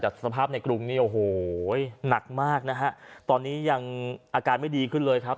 แต่สภาพในกรุงนี่โอ้โหหนักมากนะฮะตอนนี้ยังอาการไม่ดีขึ้นเลยครับ